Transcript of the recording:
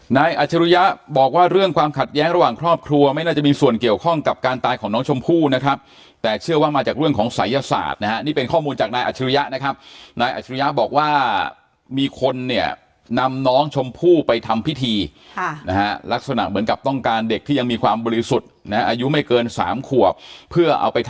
อัชรุยะบอกว่าเรื่องความขัดแย้งระหว่างครอบครัวไม่น่าจะมีส่วนเกี่ยวข้องกับการตายของน้องชมพู่นะครับแต่เชื่อว่ามาจากเรื่องของศัยศาสตร์นะฮะนี่เป็นข้อมูลจากนายอัจฉริยะนะครับนายอัชริยะบอกว่ามีคนเนี่ยนำน้องชมพู่ไปทำพิธีค่ะนะฮะลักษณะเหมือนกับต้องการเด็กที่ยังมีความบริสุทธิ์นะอายุไม่เกิน๓ขวบเพื่อเอาไปท